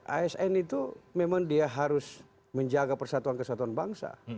asn itu memang dia harus menjaga persatuan kesatuan bangsa